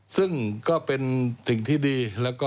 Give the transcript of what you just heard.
ซึ่งก็เป็นสิ่งที่ดี